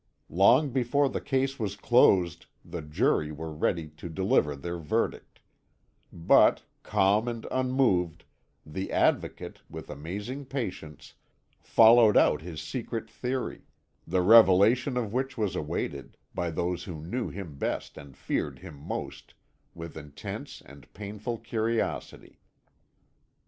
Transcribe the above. Long before the case was closed the jury were ready to deliver their verdict; but, calm and unmoved, the Advocate, with amazing patience, followed out his secret theory, the revelation of which was awaited, by those who knew him best and feared him most, with intense and painful curiosity.